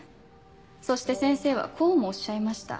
そして先生はこうもおっしゃいました。